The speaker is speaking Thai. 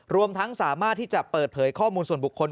รวมทั้งสามารถที่จะเปิดเผยข้อมูลส่วนบุคคล